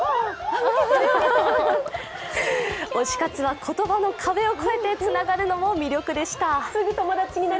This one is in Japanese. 推し活は言葉の壁を超えてつながれるのも魅力でした。